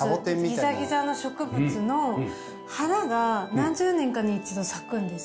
ギザギザの植物の花が何十年かに一度咲くんです。